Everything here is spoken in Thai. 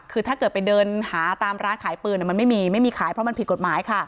คือถ้าเกิดไปเดินหาตามร้านขายปืนมันไม่มีไม่มีขายเพราะมันผิดกฎหมายค่ะ